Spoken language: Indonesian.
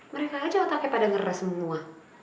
mereka aja otaknya pada ngera semua